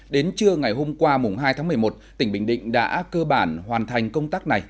đến trưa ngày hôm qua hai tháng một mươi một tỉnh bình định đã cơ bản hoàn thành công tác này